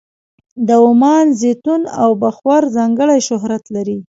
د عمان زیتون او بخور ځانګړی شهرت لري.